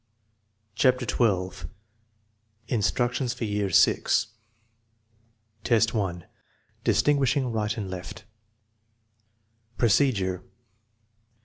CHAPTER XII INSTRUCTIONS FOR YEAR VI VI, 1. Distinguishing right and left Procedure.